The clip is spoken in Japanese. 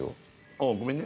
あぁごめんね。